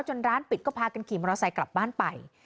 ร้านปิดก็พากันขี่มอเตอร์ไซค์กลับบ้านไป